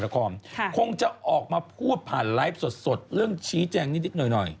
คงจะออกมาพูดผ่านไลฟ์สดเรื่องชี้แจงนิดหน่อย